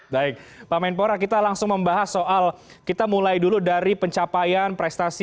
baik pak menpora kita langsung membahas soal kita mulai dulu dari pencapaian prestasi